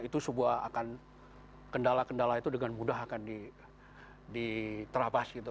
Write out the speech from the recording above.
itu sebuah akan kendala kendala itu dengan mudah akan diterapas gitu